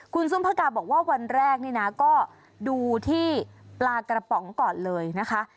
คุณซุมภากาบอกว่าวันแรกนี่นะก็ดูที่ปลากระป๋องก่อนเลยนะคะ